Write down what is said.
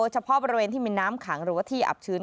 เฉพาะบริเวณที่มีน้ำขังหรือว่าที่อับชื้น